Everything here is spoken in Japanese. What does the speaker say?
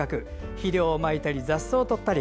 肥料をまいたり雑草をとったり。